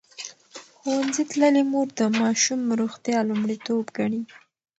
ښوونځې تللې مور د ماشوم روغتیا لومړیتوب ګڼي.